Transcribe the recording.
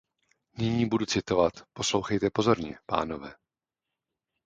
Nyní budu citovat, poslouchejte pozorně, pánové.